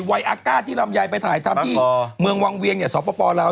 วัยอาก้าที่ลำไยไปถ่ายทำที่เมืองวังเวียงเนี่ยสปลาว